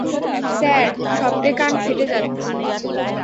Sir, শব্দে কান ফেটে যাচ্ছে।